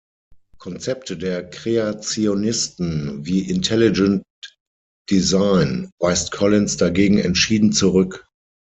Konzepte der Kreationisten, wie Intelligent Design, weist Collins dagegen entschieden zurück.